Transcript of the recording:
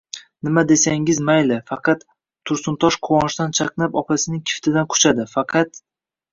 — Nima desangizam mayli, faqat, — Tursuntosh quvonchdan chaqnab opasining kiftidan quchadi. — Faqat!..